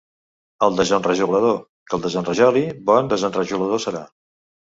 El desenrajolador que el desenrajoli, bon desenrajolador serà.